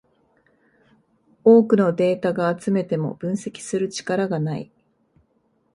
多くのデータが集めても分析する力がない